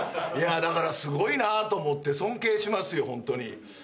だからすごいなと思って尊敬しますよ、ほんとに。